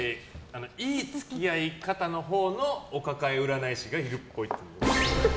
いい付き合い方のほうのお抱え占い師がいるっぽい。